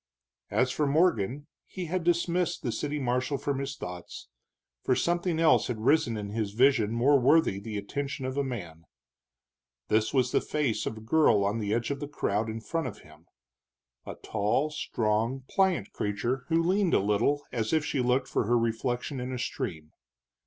As for Morgan, he had dismissed the city marshal from his thoughts, for something else had risen in his vision more worthy the attention of a man. This was the face of a girl on the edge of the crowd in front of him, a tall, strong, pliant creature who leaned a little as if she looked for her reflection in a stream.